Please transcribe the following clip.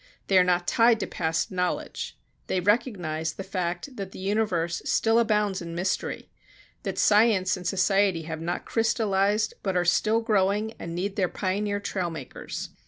They are not tied to past knowledge; they recognize the fact that the universe still abounds in mystery, that science and society have not crystallized, but are still growing and need their pioneer trail makers.